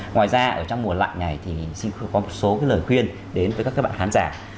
ngoài ra ở trong mùa lạnh này thì xin có một số lời khuyên đến với các bạn khán giả